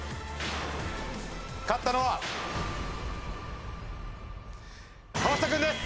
勝ったのは河下君です！